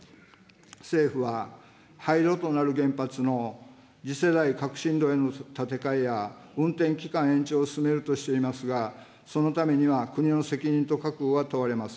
政府は廃炉となる原発の次世代革新炉への建て替えや、運転期間延長を進めるとしていますが、そのためには国の責任と覚悟が問われます。